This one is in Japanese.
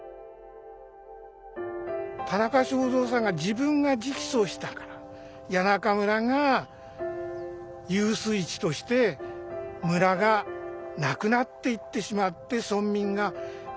田中正造さんが自分が直訴したから谷中村が遊水池として村がなくなっていってしまって村民がバラバラにならざるをえなくなった。